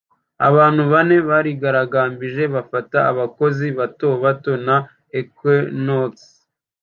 Abantu bane barigaragambije bafata abakozi bato bato na Equinox